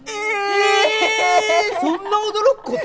えそんな驚くこと？